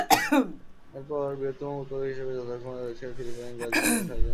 এরপর বৃহত্তম উৎপাদক হিসাবে যথাক্রমে রয়েছে ফিলিপাইন, ব্রাজিল এবং থাইল্যান্ড।